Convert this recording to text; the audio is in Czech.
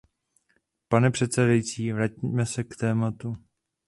Pane předsedající, vraťme se k tématu.